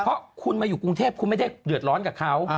เพราะคุณมาอยู่กรุงเทพคุณไม่ได้เดือดร้อนกับเขา